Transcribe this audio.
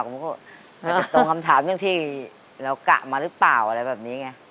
ผมก็ไม่ได้ตรงคำถามอย่างที่เรากะมาหรือเปล่าอะไรแบบนี้ไง